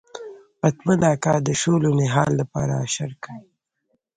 پتمن اکا د شولو نهال لپاره اشر کړی.